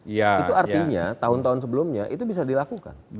itu artinya tahun tahun sebelumnya itu bisa dilakukan